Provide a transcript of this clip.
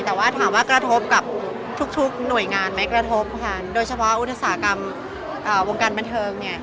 แต่ถามว่ากระทบกับทุกหน่วยงานไหมโดยเฉพาะอุตสาหกรรมวงการบรรเทิง